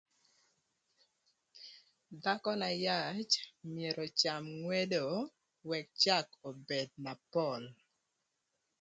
Dhakö na yac myero öcam ngwedo wëk cak obed na pol.